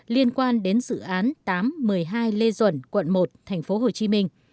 liên quan đến dự án tám một mươi hai lê duẩn quận một tp hcm